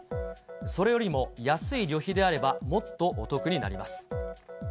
それよりも安い旅費であれば、もっとお得になります。